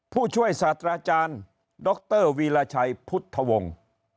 ผู้ช่วยศาสตราจารย์ดรวีรชัยพุทธวงศ์